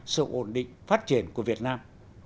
sự ổn định phát triển của việt nam